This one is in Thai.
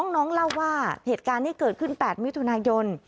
น้องเล่าว่าเหตุการณ์ที่เกิดขึ้น๘มิถุนายน